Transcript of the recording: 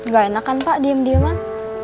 gak enak kan pak diem dieman